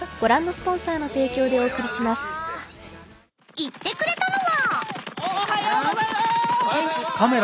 ［行ってくれたのは］